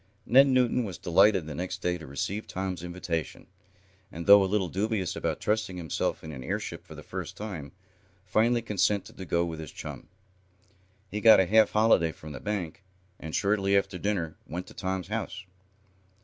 Ned Newton was delighted the next day to receive Tom's invitation, and, though a little dubious about trusting himself in an airship for the first time, finally consented to go with his chum. He got a half holiday from the bank, and, shortly after dinner went to Tom's house.